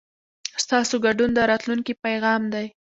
ستاسو ګډون د راتلونکي پیغام دی.